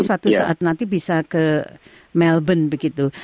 suatu saat nanti bisa ke melbourne begitu